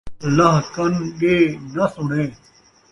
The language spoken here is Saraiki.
اللہ کن ݙے ناں سُݨے